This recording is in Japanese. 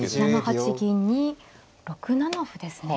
７八銀に６七歩ですね。